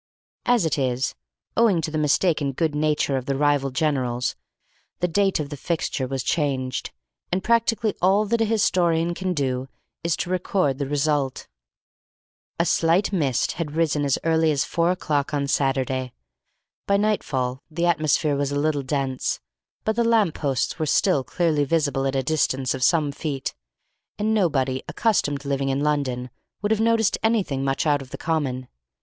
As it is, owing to the mistaken good nature of the rival generals, the date of the fixture was changed, and practically all that a historian can do is to record the result. A slight mist had risen as early as four o'clock on Saturday. By night fall the atmosphere was a little dense, but the lamp posts were still clearly visible at a distance of some feet, and nobody, accustomed to living in London, would have noticed anything much out of the common.